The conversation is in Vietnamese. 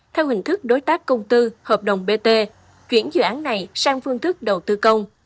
theo hình thức đối tác công tư hợp đồng bt chuyển dự án này sang phương thức đầu tư công